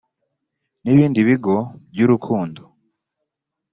n ibindi bigo by urukundo